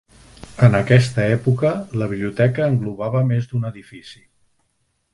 En aquesta època, la biblioteca englobava més d'un edifici.